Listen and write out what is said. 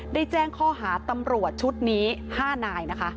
แจ้งข้อหาตำรวจชุดนี้๕นายนะคะ